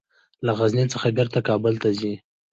له غزني څخه بیرته کابل ته ځي.